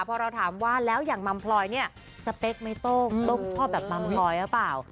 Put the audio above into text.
พอเราถามว่าแล้วอย่างมัมพลอยเนี่ยสเปคไม่ต้องชอบแบบมัมพลอยหรือเปล่า